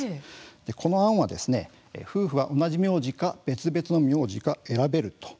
この案は夫婦は同じ名字か別々の名字か選べる。